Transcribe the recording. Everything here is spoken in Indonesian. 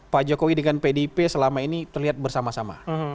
pak jokowi dengan pdip selama ini terlihat bersama sama